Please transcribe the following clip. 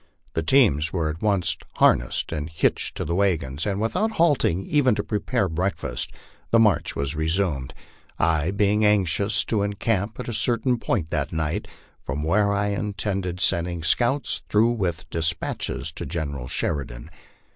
The teams were at once har nessed and hitched to the wagons, and without halting even to prepare break fast, the march was resumed, I being anxious to encamp at a certain point that night from where I intended sending scouts through with despatches to General Sheridan.